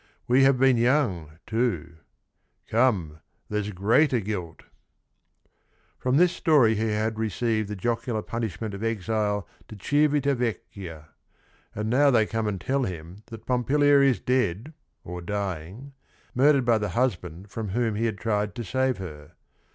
We have been young, too, — come, there 's greater guilt." For this story he hadrecejyed lhe jocular__pun ishment of exile to (Jivit a Vecchi a; and now they— eeme and tell him that Pompilia is dead or dyin g, rrmrjgr p rl by t h fi husband from whom he had tried to save her.